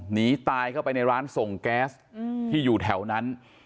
หนีตายเข้าไปในร้านส่งแก๊สที่อยู่แถวนั้น